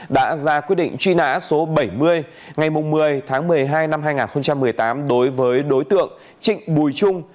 đã ra quyết định truy nã số bảy mươi ngày một mươi tháng một mươi hai năm hai nghìn một mươi tám đối với đối tượng trịnh bùi trung